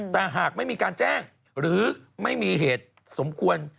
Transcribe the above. แต่หากไม่มีการแจ้งหรือไม่มีเหตุสมควร